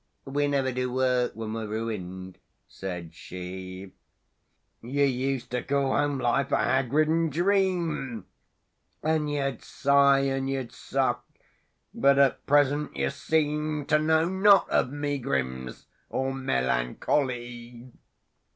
— "We never do work when we're ruined," said she. —"You used to call home life a hag ridden dream, And you'd sigh, and you'd sock; but at present you seem To know not of megrims or melancho ly!"